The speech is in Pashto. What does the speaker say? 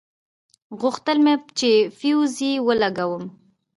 غوښتل مې چې فيوز يې ولګوم.